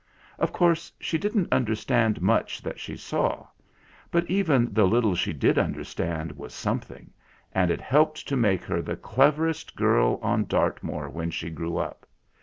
Of course, she didn't understand much that she saw ; but even the little she did understand was something, and it helped to make her the cleverest girl on Dartmoor when she grew up.